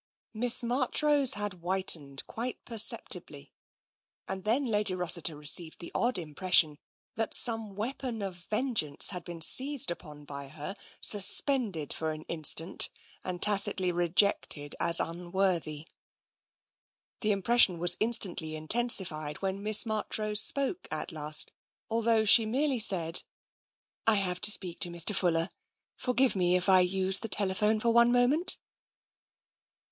Miss Marchrose had whitened quite perceptibly, and then Lady Rossiter received the odd impression that some weapon of vengeance had been seized upon by her, suspended for an instant, and tacitly rejected as unworthy. The impression was instantly intensified when Miss Marchrose spoke at last, although she merely said, " I have to speak to Mr. Fuller. Forgive me if I use the telephone for one moment.